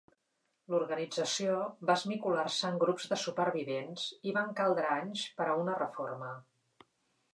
L'organització va esmicolar-se en grups de supervivents i van caldre anys per a una reforma.